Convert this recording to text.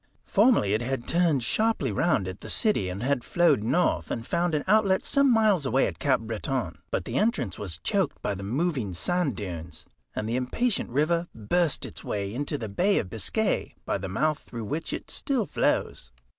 Formerly it had turned sharply round at the city, and had flowed north and found an outlet some miles away at Cap Breton, but the entrance was choked by the moving sand dunes, and the impatient river burst its way into the Bay of Biscay by the mouth through which it still flows.